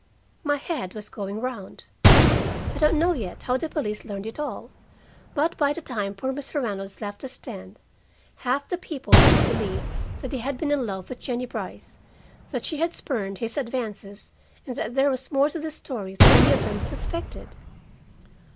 My head was going round. I don't know yet how the police learned it all, but by the time poor Mr. Reynolds left the stand, half the people there believed that he had been in love with Jennie Brice, that she had spurned his advances, and that there was more to the story than any of them had suspected.